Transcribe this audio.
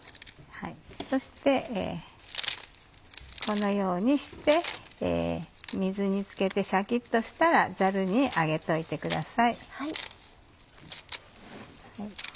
そしてこのようにして水に漬けてシャキっとしたらザルに上げておいてください。